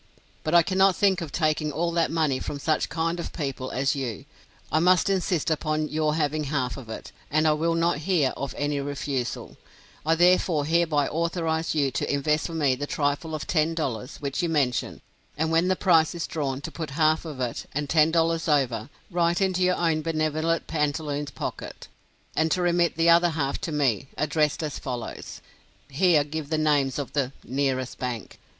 But I cannot think of taking all that money from such kind of people as you. I must insist upon your having half of it, and I will not hear of any refusal, I therefore hereby authorize you to invest for me the trifle of $10, which you mention; and when the prize is drawn, to put half of it, and $10 over, right into your own benevolent pantaloons pocket, and to remit the other half to me, addressed as follows: (Here give the name of the "nearest bank.")